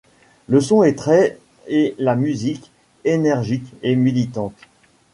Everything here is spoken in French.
Le son est très et la musique, énergique et militante.